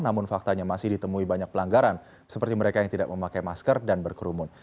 namun faktanya masih ditemui banyak pelanggaran seperti mereka yang tidak memakai masker dan berkerumun